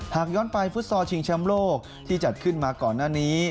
หากย้อนไปฟุตซอลชิงแชมป์โลกที่จัดขึ้นมาก่อนหน้านี้